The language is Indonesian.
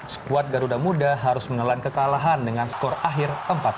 skuad garuda muda harus menelan kekalahan dengan skor akhir empat belas